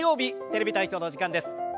「テレビ体操」のお時間です。